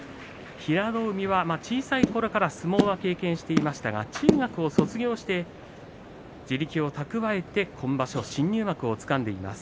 平戸海は小さいころから相撲を経験していましたが中学を卒業して地力を蓄えて今場所新入幕をつかみます。